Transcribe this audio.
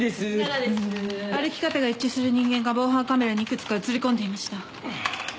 歩き方が一致する人間が防犯カメラに幾つか写りこんでいました。